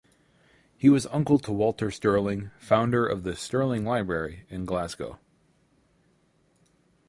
He was uncle to Walter Stirling founder of the Stirling Library in Glasgow.